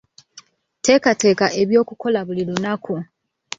Teekateeka eby'okukola buli lunaku.